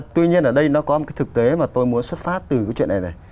tuy nhiên ở đây nó có một cái thực tế mà tôi muốn xuất phát từ cái chuyện này này